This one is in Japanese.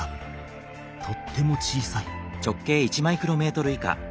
とっても小さい。